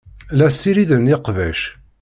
La ssiriden iqbac.